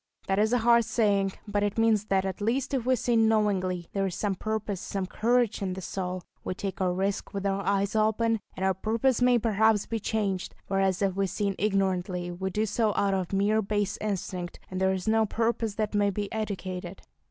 That is a hard saying, but it means that at least if we sin knowingly, there is some purpose, some courage in the soul. We take a risk with our eyes open, and our purpose may perhaps be changed; whereas if we sin ignorantly, we do so out of a mere base instinct, and there is no purpose that may be educated.